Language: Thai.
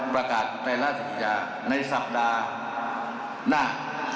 ประกาศไตรล่าสุธิศรัยในสัปดาห์นั้น